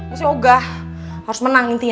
mesti ogah harus menang intinya